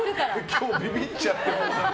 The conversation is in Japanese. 今日、ビビっちゃって。